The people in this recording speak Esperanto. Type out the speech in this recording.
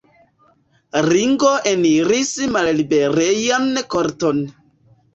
Ringo eniris malliberejan korton.